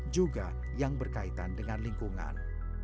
juga yang berkaitan dengan lingkungan